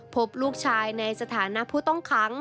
พบลูกชายในสถานะผู้ต้องขัง